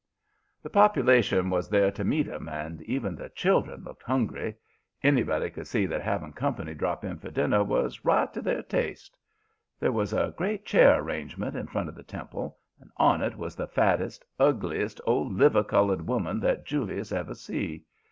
"The population was there to meet 'em, and even the children looked hungry. Anybody could see that having company drop in for dinner was right to their taste. There was a great chair arrangement in front of the temple, and on it was the fattest, ugliest, old liver colored woman that Julius ever see.